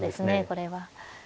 これは。